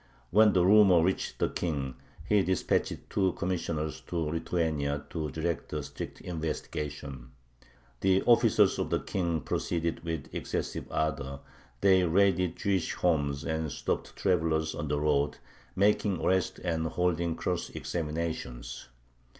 When the rumor reached the King, he dispatched two commissioners to Lithuania to direct a strict investigation. The officers of the King proceeded with excessive ardor; they raided Jewish homes, and stopped travelers on the road, making arrests and holding cross examinations.